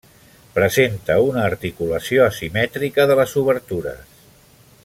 Presenta una articulació asimètrica de les obertures.